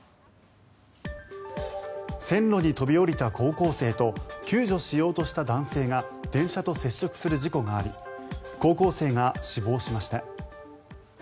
線路に飛び降りた高校生と救助しようとした男性が電車と接触する事故があり高校生が死亡しました。